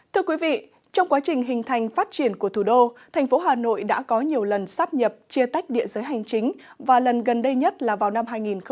thưa quý vị trong quá trình hình thành phát triển của thủ đô thành phố hà nội đã có nhiều lần sắp nhập chia tách địa giới hành chính và lần gần đây nhất là vào năm hai nghìn một mươi tám